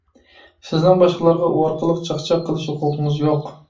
سىزنىڭ باشقىلارغا ئۇ ئارقىلىق چاقچاق قىلىش ھوقۇقىڭىز يوق.